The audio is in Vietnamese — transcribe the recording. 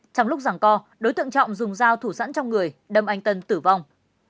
trong lúc giảng co đối tượng trọng dùng dao thủ sẵn trong người đâm anh tân tử vong